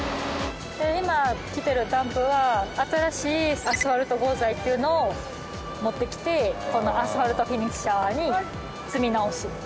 今来てるダンプは新しいアスファルト合材っていうのを持ってきてこのアスファルトフィニッシャーに積み直す。